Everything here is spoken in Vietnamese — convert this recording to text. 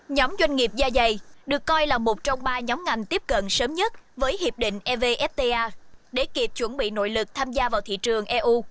nhóm doanh nghiệp da dày được coi là một trong ba nhóm ngành tiếp cận sớm nhất với hiệp định evfta để kịp chuẩn bị nội lực tham gia vào thị trường eu